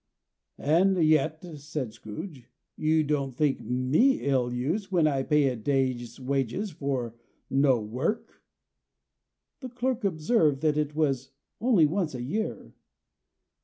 "And yet," said Scrooge, "you don't think me ill used, when I pay a day's wages for no work." The clerk observed that it was only once a year.